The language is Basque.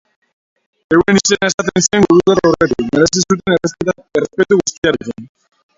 Euren izena esaten zen gurutzatu aurretik, merezi zuten errespetu guztiarekin.